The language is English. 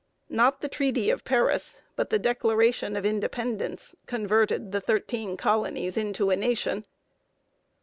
Not the Treaty of Paris, but the Declaration of Independence, converted the thirteen colonies into a nation.